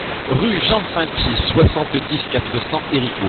Rue Jean Sainty, soixante-dix, quatre cents Héricourt